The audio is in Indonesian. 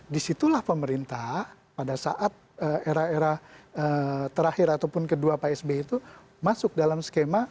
disitulah pemerintah pada saat era era terakhir ataupun kedua pak sby itu masuk dalam skema